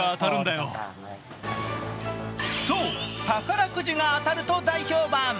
そう、宝くじが当たると大評判。